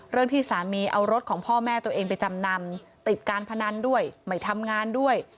ที่สามีเอารถของพ่อแม่ตัวเองไปจำนำติดการพนันด้วยไม่ทำงานด้วย